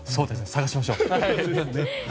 探しましょう。